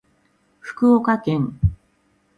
福岡県